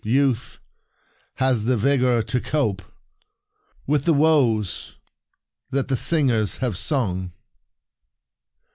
Youth has the vigor to cope With the woes that the singers have sung.